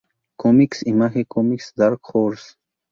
Comics, Image Comics, Dark Horse.